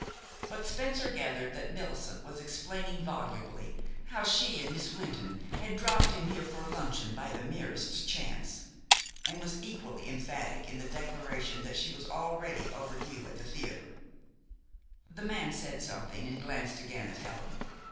But Spencer gathered that Millicent was explaining volubly how she and Miss Wynton had "dropped in here for luncheon by the merest chance," and was equally emphatic in the declaration that she was already overdue at the theater. The man said something, and glanced again at Helen.